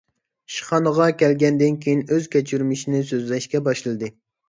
ئىشخانىغا كەلگەندىن كېيىن ئۆز كەچۈرمىشىنى سۆزلەشكە باشلىدى.